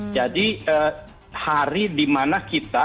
jadi hari dimana kita